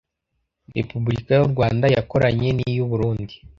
repubulika y'u rwanda yakoranye niy'u burundi